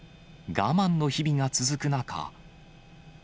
我慢の日々が続く中。